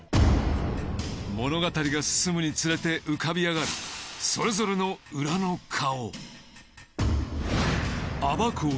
物語が進むにつれて浮かび上がるそれぞれの裏の顔。